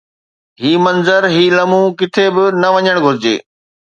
هي منظر، هي لمحو ڪٿي به نه وڃڻ گهرجي